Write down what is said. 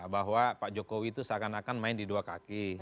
bahwa pak jokowi itu seakan akan main di dua kaki